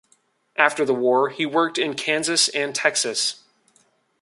After the war, he worked in Kansas and Texas.